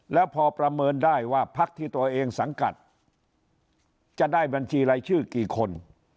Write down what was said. แล้วพอประเมินได้ว่าพักที่ตัวเองสังกัดจะได้บัญชีรายชื่อกี่คน